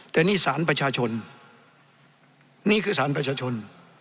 แต่นี่สารประชาชนนี่คือสารประชาชน